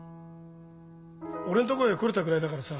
俺のとこへ来れたぐらいだからさ